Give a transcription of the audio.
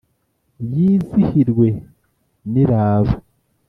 yizihirwe n’iraba,